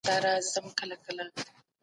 په مینه او خندا یې تېر کړئ.